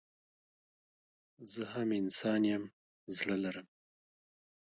زه هم انسان يم زړه لرم